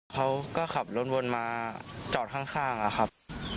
เขาก็ขับรถวนมาจอดข้างอะครับ